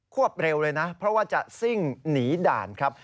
วบเร็วเลยนะเพราะว่าจะซิ่งหนีด่านครับ